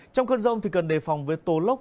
trong cơn giông thì cần đề phòng với tố lốc